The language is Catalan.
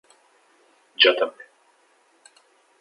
Jo també!